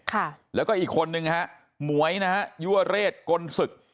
ค่ะแล้วก็อีกคนนึงฮะหมวยนะฮะยั่วเรศกลศึก